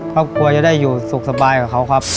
ครอบครัวจะได้อยู่สุขสบายกับเขาครับ